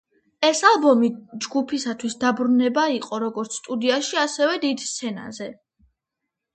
ეს ალბომი ჯგუფისათვის დაბრუნება იყო როგორც სტუდიაში, ასევე დიდ სცენაზე.